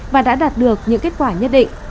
và đã đạt được những kết quả nhất định